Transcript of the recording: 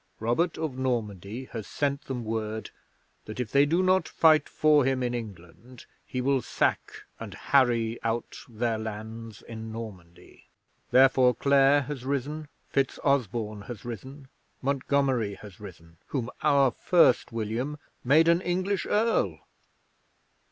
Robert of Normandy has sent them word that if they do not fight for him in England he will sack and harry out their lands in Normandy. Therefore Clare has risen, FitzOsborne has risen, Montgomery has risen whom our First William made an English Earl.